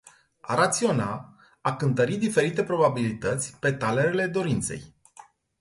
A raționa - a cântări diferite probabilități pe talerele dorinței.